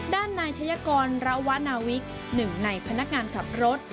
ด้านนายชายกรระวนาวิกหนึ่งในพนักงานขับรถ